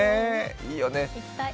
いいよね。